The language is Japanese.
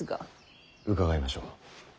伺いましょう。